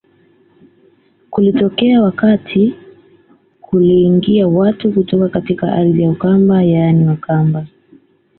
Kulitokea wakati kuliingia watu kutoka katika ardhi ya Ukamba yaani Wakamba